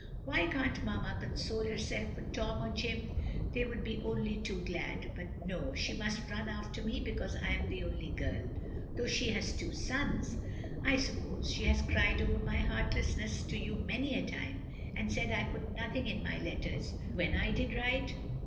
Why can't Mamma console herself with Tom or Jim? they would be only too glad; but no, she must run after me because I am the only girl, though she has two sons. I suppose she has cried over my heartlessness to you many a time, and said I put nothing in my letters when I did write?"